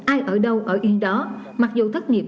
ai ở đâu ở yên đó mặc dù thất nghiệp